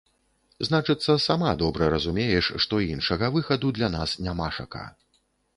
Значыцца, сама добра разумееш, што іншага выхаду для нас нямашака.